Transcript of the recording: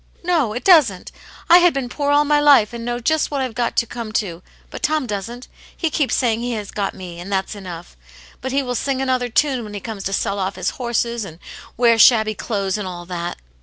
No, it doesn't. I had been poor all my life, and know just what I've got to come to ; but Tom doesn't. He keeps saying he has got me, and that's enough. But he will sing another tune when he comes to sell off his horses, and wear shabby clothes, and all that."